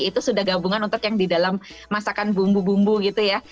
itu sudah gabungan untuk yang di dalam masakan bumbu bumbu gitu ya